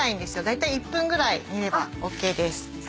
だいたい１分ぐらい煮ればＯＫです。え！